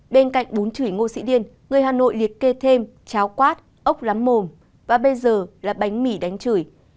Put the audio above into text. bên cạnh bốn chửi ngô sĩ điên người hà nội liệt kê thêm cháo quát ốc lắm mồm và bây giờ là bánh mì đánh chửi